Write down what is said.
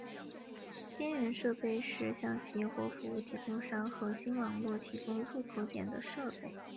边缘设备是向企业或服务提供商核心网络提供入口点的设备。